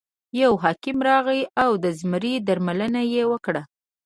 یو حکیم راغی او د زمري درملنه یې وکړه.